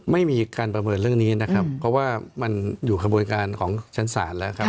ไม่มีการประเมินเรื่องนี้นะครับเพราะว่ามันอยู่ขบวนการของชั้นศาลแล้วครับ